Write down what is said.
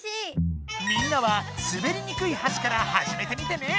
みんなはすべりにくいはしからはじめてみてね！